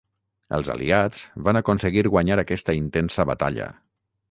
Els aliats van aconseguir guanyar aquesta intensa batalla.